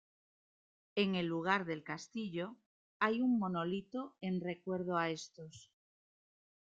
En el lugar del castillo hay un monolito en recuerdo a estos.